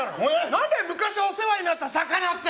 何だ、昔お世話になった魚って。